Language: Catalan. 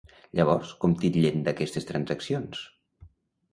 Llavors, com titllen d'aquestes transaccions?